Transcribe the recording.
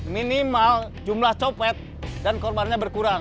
minimal jumlah copet dan korbannya berkurang